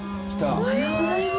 おはようございます。